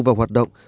vào hoạt động